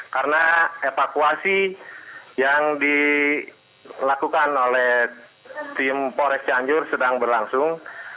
karena evakuasi yang dilakukan oleh tim porek canjur sedang berlangsung